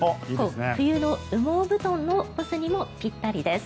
冬の羽毛布団を干すにもぴったりです。